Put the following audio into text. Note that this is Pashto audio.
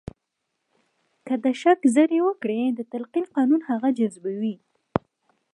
که د شک زړي وکرئ د تلقین قانون هغه جذبوي